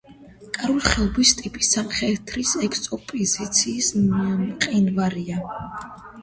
კარულ-ხეობის ტიპის სამხრეთის ექსპოზიციის მყინვარია.